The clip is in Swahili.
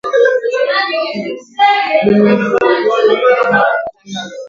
benki kuu inatoa ushauri juu ya masuala ya uchumi